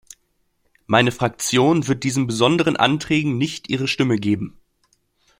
Meine Fraktion wird diesen besonderen Anträgen nicht ihre Stimme geben.